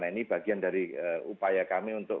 nah ini bagian dari upaya kami untuk